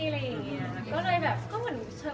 มีคนมาดื่มไปมาวางไหล่